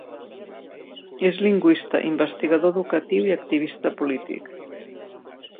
És lingüista, investigador educatiu i activista polític.